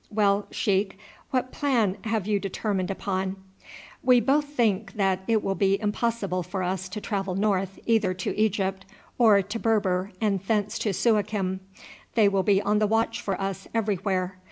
"Well, sheik, what plan have you determined upon?" "We both think that it will be impossible for us to travel north either to Egypt, or to Berber and thence to Suakim. They will be on the watch for us everywhere.